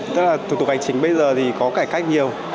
thủ tục hành chính bây giờ thì có cải cách nhiều